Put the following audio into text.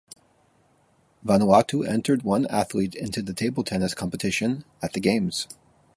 Vanuatu entered one athlete into the table tennis competition at the Games.